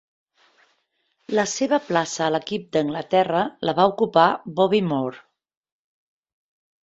La seva plaça a l'equip d'Anglaterra la va ocupar Bobby Moore.